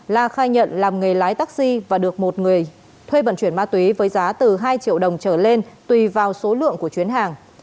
la khai nhận làm nghề lái taxi và được một người thuê vận chuyển ma túy với giá từ hai triệu đồng trở lên tùy vào số lượng của chuyến hàng